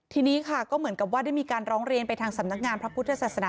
ทีนี้ค่ะก็เหมือนกับว่าได้มีการร้องเรียนไปทางสำนักงานพระพุทธศาสนา